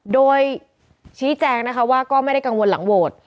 โดยชี้แจงนะคะว่าก็ไม่ได้กังวลหลังโหวต